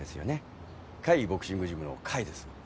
甲斐ボクシングジムの甲斐です。